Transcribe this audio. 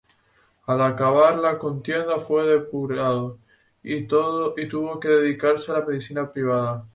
Al acabar la contienda fue depurado, y tuvo que dedicarse a la medicina privada.